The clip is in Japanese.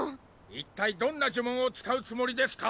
いったいどんな呪文を使うつもりですか！？